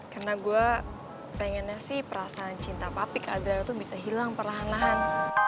karena gue pengennya sih perasaan cinta papi ke adrara tuh bisa hilang perlahan lahan